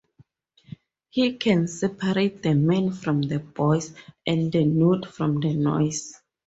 He can separate the men from the boys and the note from the noise.